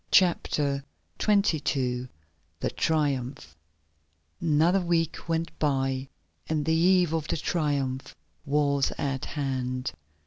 CHAPTER XXII THE TRIUMPH Another week went by and the eve of the Triumph was at hand.